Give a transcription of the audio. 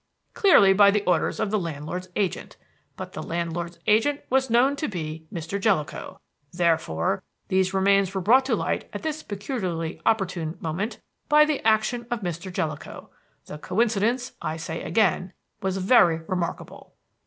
Clearly by the orders of the landlord's agent. But the landlord's agent was known to be Mr. Jellicoe. Therefore these remains were brought to light at this peculiarly opportune moment by the action of Mr. Jellicoe. The coincidence, I say again, was very remarkable.